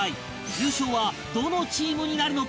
優勝はどのチームになるのか？